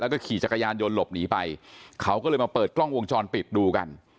แล้วก็ขี่จักรยานยนต์หลบหนีไปเขาก็เลยมาเปิดกล้องวงจรปิดดูกัน